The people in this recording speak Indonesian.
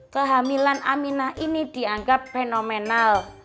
kehamilan aminah ini dianggap fenomenal